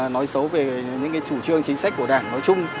nói xấu về những chủ trương chính sách của đảng nói chung